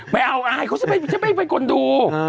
ไม่เอาไงเขาจะไปกดดู